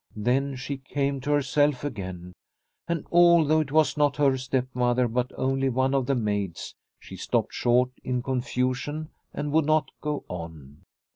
Then she came to herself again, and although it was not her stepmother but only one of the maids, she stopped short in con fusion and would not go on.